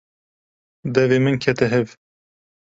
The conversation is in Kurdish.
Devê min kete hev.